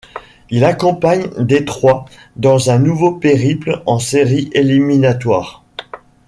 Il accompagne Détroit dans un nouveau périple en séries éliminatoires.